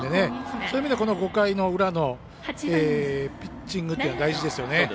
そういう意味では、５回の裏のピッチングっていうのは大事ですよね。